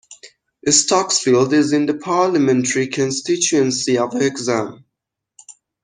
Stocksfield is in the parliamentary constituency of Hexham.